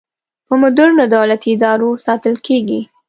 په مدرنو دولتي ادارو ساتل کیږي.